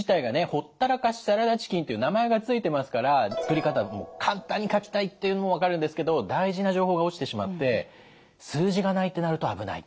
ほったらかしサラダチキンという名前が付いてますから作り方も簡単に書きたいっていうのも分かるんですけど大事な情報が落ちてしまって数字がないってなると危ない。